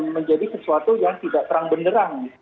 menjadi sesuatu yang tidak terang benderang